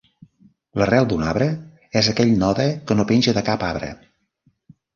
L'arrel d'un arbre és aquell node que no penja de cap arbre.